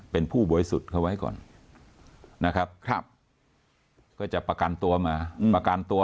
เป็นผู้บริสุทธิ์เขาไว้ก่อนนะครับก็จะประกันตัวมาประกันตัว